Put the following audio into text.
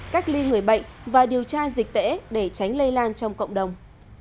cách ly người bệnh và điều tra dịch tễ để tránh lây lan trong cộng đồng